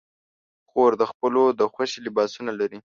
خور د خپلو د خوښې لباسونه لري.